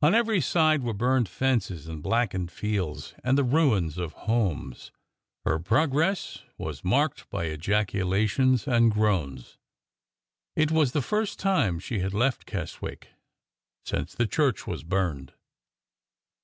On every side were burned fences and blackened fields and the ruins of homes. Her progress was marked by ejaculations and groans. It was the first time she had left Keswick since the church was burned.